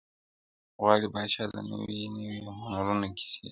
o غواړي پاچا د نوي نوي هنرونو کیسې,